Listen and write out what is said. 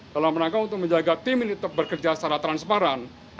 dalam rangka untuk menjaga tim ini tetap bekerja secara transparan